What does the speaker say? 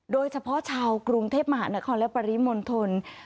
โดยเฉพาะชาวกรุงเทพมหานครและปริมณฑล